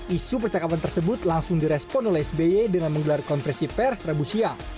isu percakapan tersebut langsung direspon oleh sby dengan menggelar konversi pers rabu siang